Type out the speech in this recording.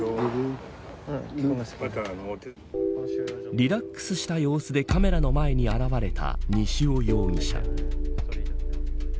リラックスした様子でカメラの前に現れた西尾容疑者。